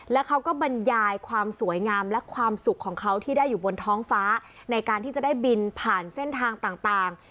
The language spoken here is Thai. แล้วเขาก็บรรยายความสวยงามและความสุขของเขาที่ได้อยู่บนท้องฟ้าในการที่จะได้บินผ่านเส้นทางต่าง